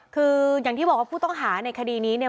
คืออย่างที่บอกว่าผู้ต้องหาในคดีนี้เนี่ย